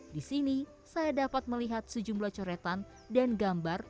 di sini saya dapat melihat sejumlah coretan dan gambar